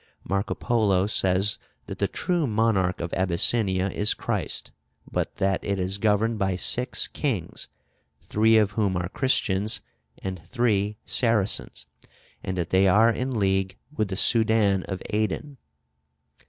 Marco Polo says that the true monarch of Abyssinia is Christ; but that it is governed by six kings, three of whom are Christians and three Saracens, and that they are in league with the Soudan of Aden.